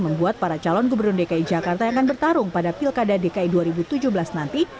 membuat para calon gubernur dki jakarta yang akan bertarung pada pilkada dki dua ribu tujuh belas nanti